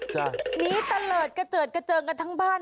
หนีตะเลิศกระเจิดกระเจิงกันทั้งบ้าน